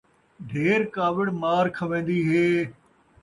ڈھیر کاوڑ مار کھوین٘دی ہے